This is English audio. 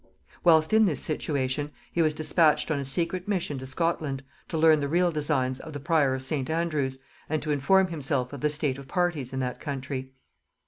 Whilst in this situation, he was dispatched on a secret mission to Scotland, to learn the real designs of the prior of St. Andrews, and to inform himself of the state of parties in that country.